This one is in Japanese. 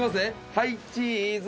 はいチーズ。